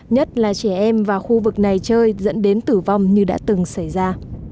nhất là trẻ em vào khu vực này chơi dẫn đến tử vong như đã từng xảy ra